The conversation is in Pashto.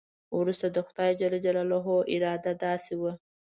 وروسته د خدای جل جلاله اراده داسې وه.